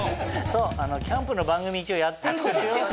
そうキャンプの番組一応やってるんですよ。